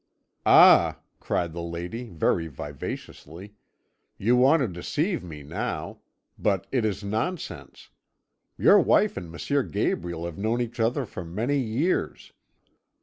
"'Ah,' cried the lady very vivaciously, 'you want to deceive me now; but it is nonsense. Your wife and M. Gabriel have known each other for many years.